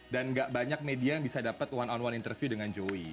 dan gak banyak media yang bisa dapet one on one interview dengan joy